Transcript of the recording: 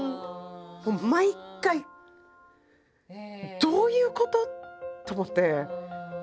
毎回どういうこと？と思って。